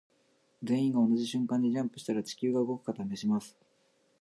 全員が同じ瞬間にジャンプしたら地球が動くか試します。